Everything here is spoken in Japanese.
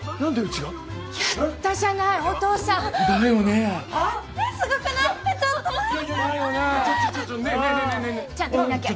ちゃんと見なきゃ。